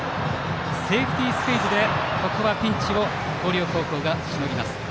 セーフティースクイズでここは広陵がピンチをしのぎます。